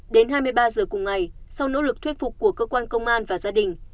đến hai mươi ba giờ cùng ngày sau nỗ lực thuyết phục của cơ quan công an và gia đình